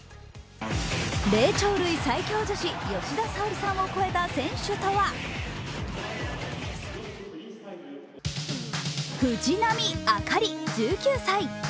霊長類最強女子、吉田沙保里さんを超えた選手とは藤波朱理１９歳。